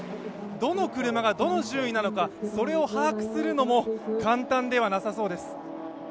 どの車がどの順位なのか、それを把握するのも簡単ではなさそうです。